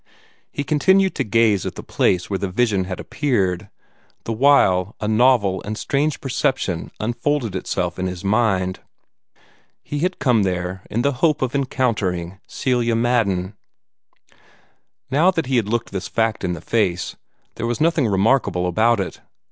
He continued to gaze at the place where the vision had appeared, the while a novel and strange perception unfolded itself upon his mind. He had come there in the hope of encountering Celia Madden. Now that he looked this fact in the face, there was nothing remarkable about it.